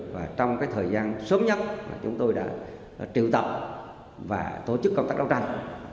và trong cái thời gian sớm nhất chúng tôi đã triệu tập và tổ chức công tác đấu tranh